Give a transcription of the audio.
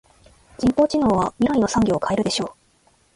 人工知能は未来の産業を変えるでしょう。